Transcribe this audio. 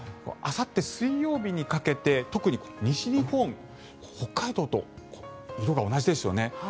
あさって水曜日にかけて特に西日本、北海道と色が同じですよね。